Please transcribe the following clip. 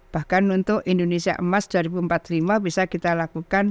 bahkan untuk indonesia emas dua ribu empat puluh lima bisa kita lakukan